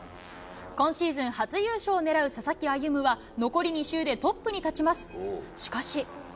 今シーズン初優勝を狙う佐々木歩夢は残り２周でトップに立ちます。